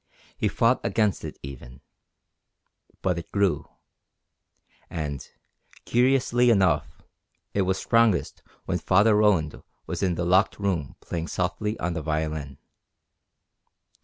He fought against it even. But it grew. And, curiously enough, it was strongest when Father Roland was in the locked room playing softly on the violin.